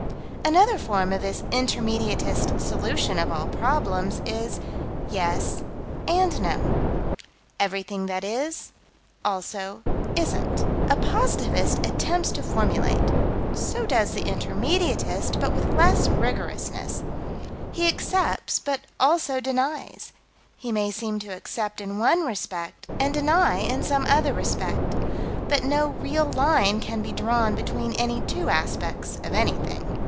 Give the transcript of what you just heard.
Another form of this intermediatist "solution" of all problems is: Yes and no. Everything that is, also isn't. A positivist attempts to formulate: so does the intermediatist, but with less rigorousness: he accepts but also denies: he may seem to accept in one respect and deny in some other respect, but no real line can be drawn between any two aspects of anything.